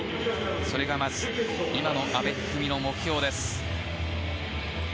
それがまず、今の阿部一二三の目標です。